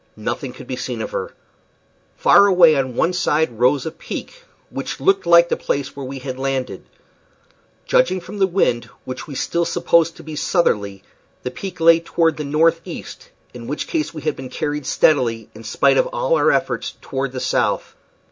Nothing could be seen of her. Far away on one side rose a peak, which looked like the place where we had landed. Judging from the wind, which we still supposed to be southerly, the peak lay toward the northeast; in which case we had been carried steadily, in spite of all our efforts, toward the south.